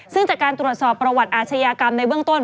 ซึ่งจากการตรวจสอบประวัติอาชญากรรมในเบื้องต้น